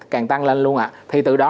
càng tăng lên luôn ạ thì từ đó